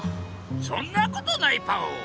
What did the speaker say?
そんなことないパオ。